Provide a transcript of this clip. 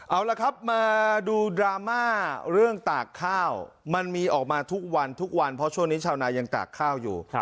เอาละครับมาดูดราม่าเรื่องตากข้าวมันมีออกมาทุกวันทุกวันเพราะช่วงนี้ชาวนายังตากข้าวอยู่